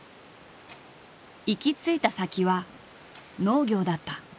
行き着いた先は農業だった。